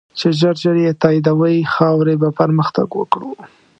چی ژر ژر یی تایدوی ، خاوری به پرمختګ وکړو